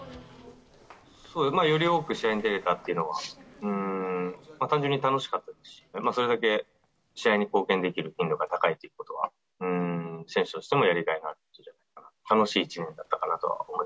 より多く試合に出れたっていうのは、単純に楽しかったですし、それだけ試合に貢献できる頻度が高いということは、選手としてもやりがいがあることだと思う。